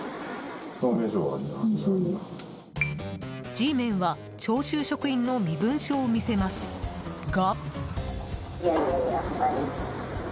Ｇメンは、徴収職員の身分証を見せますが。